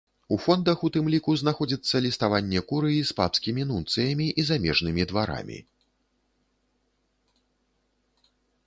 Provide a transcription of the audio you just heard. У фондах у тым ліку знаходзіцца ліставанне курыі з папскімі нунцыямі і замежнымі дварамі.